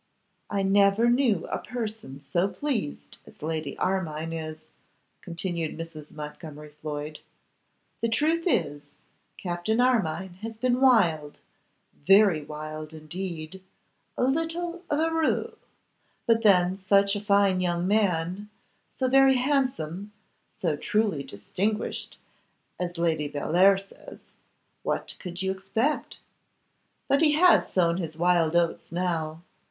'I never knew a person so pleased as Lady Armine is,' continued Mrs. Montgomery Floyd. 'The truth is, Captain Armine has been wild, very wild indeed; a little of a roue; but then such a fine young man, so very handsome, so truly distinguished, as Lady Bellair says, what could you expect? But he has sown his wild oats now.